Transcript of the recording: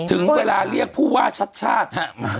ถึงเวลาเรียกผู้ว่าชัดชาติฮะ